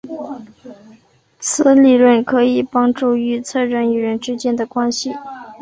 此理论可以帮助预测人与人之间的关系。